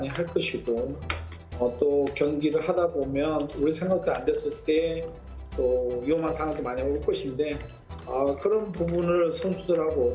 in fact staff ini seperti si altair yang bertemu kawasan timnas indonesia